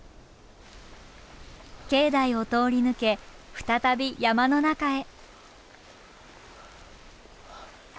境内を通り抜け再び山の中へ。